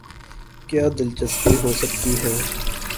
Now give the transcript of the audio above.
کیا دلچسپی ہوسکتی ہے۔